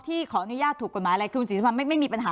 ที่ขอนัยยาตถูกกฎหมายอะไรคือคุณสีสะพานไม่ไม่มีปัญหา